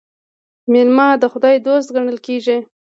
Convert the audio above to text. میلمه د خدای دوست ګڼل کیږي.